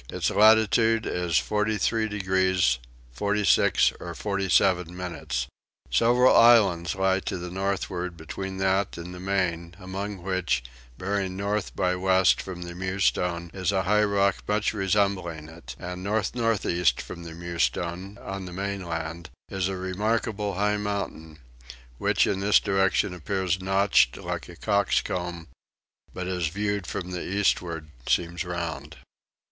Its latitude is 43 degrees 46 or 47 minutes. Several islands lie to the northward between that and the main, among which, bearing north by west from the Mewstone, is a high rock much resembling it; and north north east from the Mewstone, on the mainland, is a remarkable high mountain, which in this direction appears notched like a cock's comb; but as viewed from the eastward seems round.